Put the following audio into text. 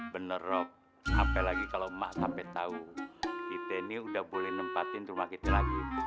bener rob apalagi kalau mak sampai tahu kita ini udah boleh nempatin rumah kita lagi